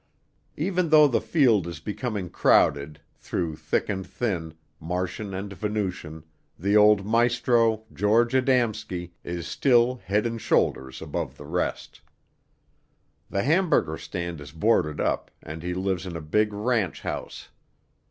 Even though the field is becoming crowded, through thick and thin, Martian and Venusian, the old Maestro, George Adamski, is still head and shoulders above the rest. The hamburger stand is boarded up and he lives in a big ranch house.